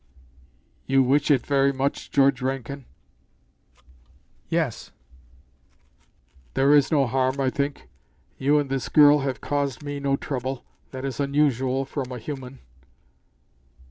"You wish it very much, George Rankin?" "Yes." "There is no harm, I think. You and this girl have caused me no trouble. That is unusual from a human."